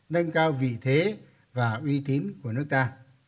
nâng cao vị thế và uy tín của nước ta